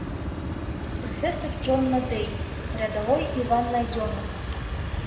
Профессор Джон Надей — рядовой Иван Найдёнов.